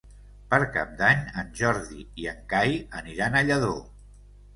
Per Cap d'Any en Jordi i en Cai aniran a Lladó.